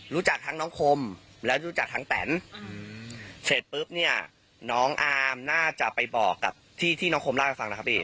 รู้จักทั้งน้องคมและรู้จักทั้งแตนเสร็จปุ๊บเนี่ยน้องอามน่าจะไปบอกกับที่ที่น้องคมเล่าให้ฟังนะครับพี่